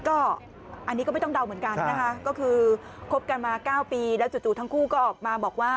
ก็อันนี้ก็ไม่ต้องเดาเหมือนกันนะคะก็คือคบกันมา๙ปีแล้วจู่ทั้งคู่ก็ออกมาบอกว่า